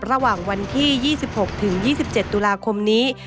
ระหว่างวันที่๒๖ถึง๒๗ตุลาคมนี้